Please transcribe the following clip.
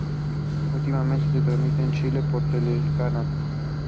He was interred at Fairview Cemetery in Scituate.